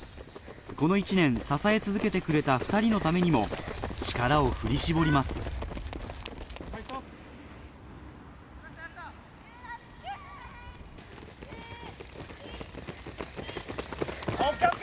この１年支え続けてくれた２人のためにも力を振り絞りますＯＫＯＫ！